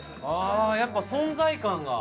ああやっぱ存在感が。